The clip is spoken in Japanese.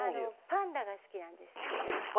パンダが好きなんです。